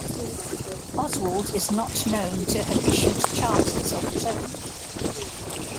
Oswald is not known to have issued charters of his own.